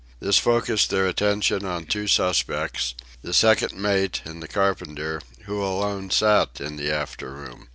This focussed their attention on two suspects—the second mate and the carpenter, who alone sat in the after room.